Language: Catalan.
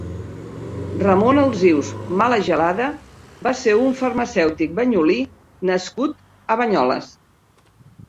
Ramon Alsius Malagelada va ser un farmacèutic banyolí nascut a Banyoles.